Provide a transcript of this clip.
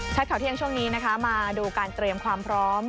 ข่าวเที่ยงช่วงนี้นะคะมาดูการเตรียมความพร้อม